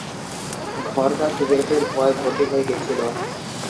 ঘরটা সিগারেটের ধোঁয়ায় ভর্তি হয়ে গেছিল।